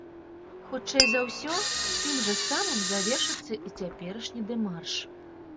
Хутчэй за ўсё, тым жа самым завершыцца і цяперашні дэмарш.